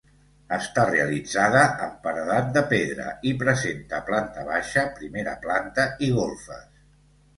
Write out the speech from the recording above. Està realitzada amb paredat de pedra i presenta planta baixa, primera planta i golfes.